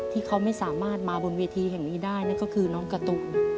ที่เขาไม่สามารถมาบนเวทีแห่งนี้ได้นั่นก็คือน้องการ์ตูน